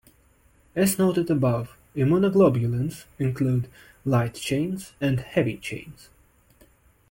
As noted above, immunoglobulins include light chains and heavy chains.